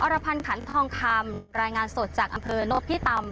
รพันธ์ขันทองคำรายงานสดจากอำเภอโนพิตำ